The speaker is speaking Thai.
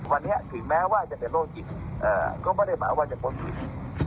วันนี้ถึงแม้ว่าจะเป็นโรคจิตก็ไม่ได้หมายว่าจะพ้นผิด